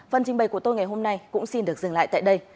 phần trình bày của tôi ngày hôm nay cũng xin được dừng lại tại đây